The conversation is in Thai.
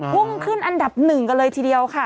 พุ่งขึ้นอันดับหนึ่งกันเลยทีเดียวค่ะ